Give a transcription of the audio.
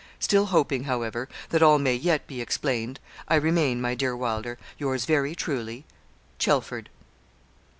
Still hoping, however, that all may yet be explained, 'I remain, my dear Wylder, yours very truly, 'CHELFORD.'